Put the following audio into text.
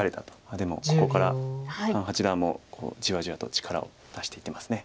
でもここから潘八段もじわじわと力を出していってます。